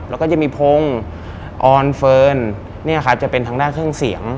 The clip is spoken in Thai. แล้วก็จะมีพงศ์ออนเฟิร์นเนี่ยครับจะเป็นทางด้านเครื่องเสียง